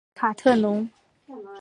卡特农。